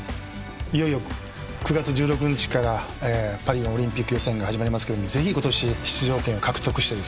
いよいよ９月１６日からパリのオリンピック予選が始まりますけどもぜひ今年出場権を獲得してですね